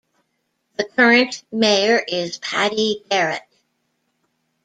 The current mayor is Patti Garrett.